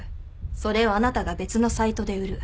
それをあなたが別のサイトで売る。